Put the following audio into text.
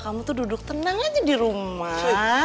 kamu tuh duduk tenang aja di rumah